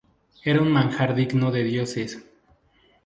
Era un manjar digno de los dioses.